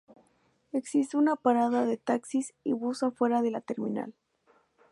Existe una parada de taxis y bus afuera de la terminal.